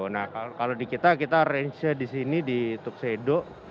nah kalau di kita kita range nya di sini di tuksedo